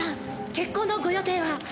結婚のご予定は？